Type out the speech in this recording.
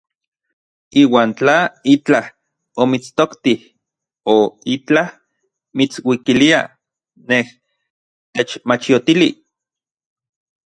Iuan tla itlaj omitstoktij o itlaj mitsuikilia, nej techmachiotili.